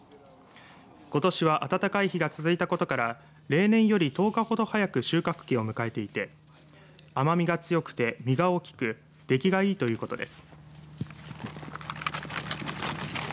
ことしは暖かい日が続いたことから例年より１０日ほど早く収穫期を迎えていて甘みが強くて実が大きく出来がいいということです。